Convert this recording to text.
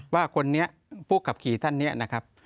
ว่าคนนี้ผู้ขับขี่ท่านเนี่ยนะครับ